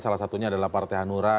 salah satunya adalah partai hanura